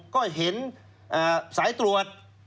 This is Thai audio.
ก็เห็นสายตรวจ